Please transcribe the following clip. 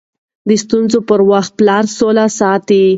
د ستونزو پر وخت پلار سوله ساتي.